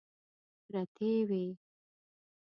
پرتې وې.